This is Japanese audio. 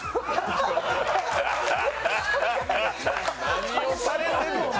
何をされてんねん！